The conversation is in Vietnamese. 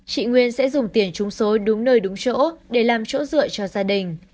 chị nguyên sẽ dùng tiền chúng số đúng nơi đúng chỗ để làm chỗ dựa cho gia đình